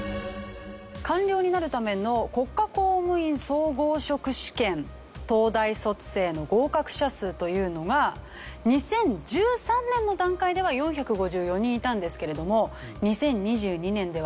官僚になるための国家公務員総合職試験東大卒生の合格者数というのが２０１３年の段階では４５４人いたんですけれども２０２２年では２１７人。